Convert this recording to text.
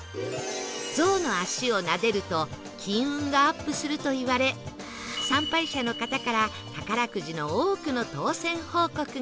ゾウの脚をなでると金運がアップするといわれ参拝者の方から宝くじの多くの当せん報告が